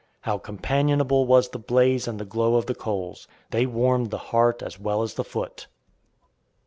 How companionable was the blaze and the glow of the coals! They warmed the heart as well as the foot.